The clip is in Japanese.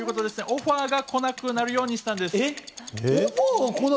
オファーが来なくなるようにしたんです。